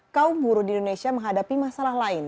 kaum buruh di indonesia menghadapi masalah lain